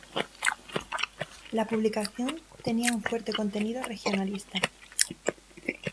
La publicación tenía un fuerte contenido regionalista.